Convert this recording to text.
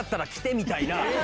みたいな。